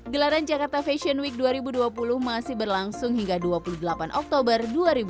gelaran jakarta fashion week dua ribu dua puluh masih berlangsung hingga dua puluh delapan oktober dua ribu dua puluh